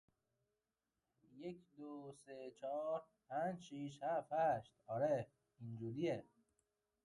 Cranshaw died of pneumonia in his home, surrounded by family and friends.